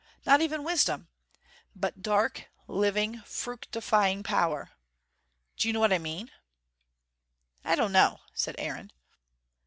Not even wisdom. But dark, living, fructifying power. Do you know what I mean?" "I don't know," said Aaron.